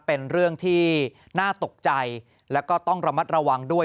เป็นเรื่องที่น่าตกใจแล้วก็ต้องระมัดระวังด้วย